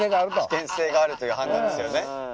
危険性があるという判断ですよね。